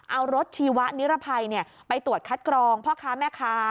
เอารถชีวะนิรภัยไปตรวจคัดกรองพ่อค้าแม่ค้า